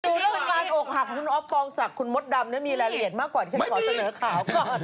ตัวเรื่องการอกหักของคุณอภศักดิ์คุณมท์ดำมีเรละเลียนมากกว่าที่ฉันขอเสริมข่าวก่อน